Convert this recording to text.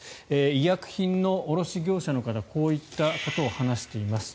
医薬品の卸業者の方こういったことを話しています。